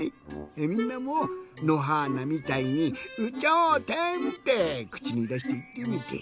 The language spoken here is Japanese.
みんなものはーなみたいに「有頂天」ってくちにだしていってみて。